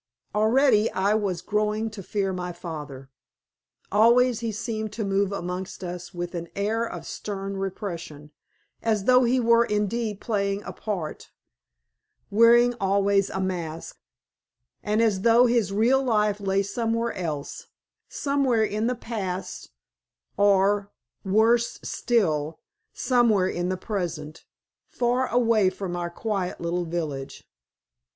Already I was growing to fear my father. Always he seemed to move amongst us with an air of stern repression, as though he were indeed playing a part, wearing always a mask, and as though his real life lay somewhere else, somewhere in the past, or worst still somewhere in the present, far away from our quiet little village.